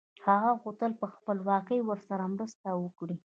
هغه غوښتل په خپلواکۍ کې ورسره مرسته وکړي.